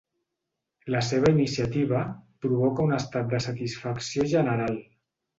La seva iniciativa provoca un estat de satisfacció general.